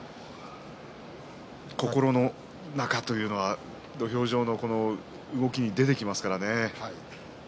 心の中というのは土俵上の動きに出てきますからね。